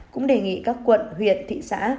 cũng đề nghị các quận huyện thị xã